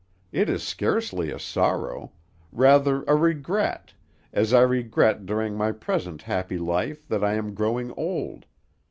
It is scarcely a sorrow; rather a regret, as I regret during my present happy life that I am growing old.